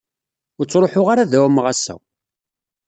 Ur ttruḥuɣ ara ad ɛummeɣ ass-a.